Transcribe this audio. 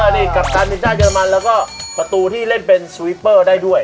นี่กัปตันทีมชาติเรมันแล้วก็ประตูที่เล่นเป็นสวิปเปอร์ได้ด้วย